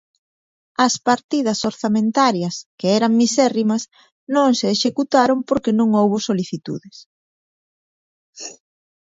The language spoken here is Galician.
As partidas orzamentarias, que eran misérrimas, non se executaron porque non houbo solicitudes.